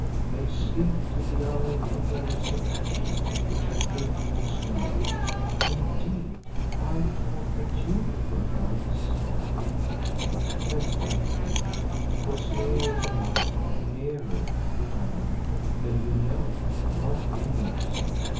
They sleep till the hour of their resurrection, which I think draws nigh; indeed, I thought that you perchance——But let that be. 'Twas near the mark; nearer, Allan, than you know, not in it!